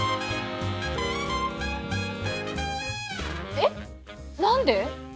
えっ何で！？